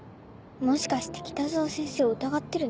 もしかして北澤先生を疑ってるの？